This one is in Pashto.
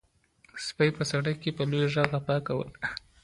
سپي په سړک کې په لوړ غږ غپا کوله.